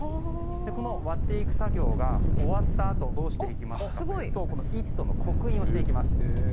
この割っていく作業が終わったあとどうしていくかというと「イット！」の刻印をしていきます。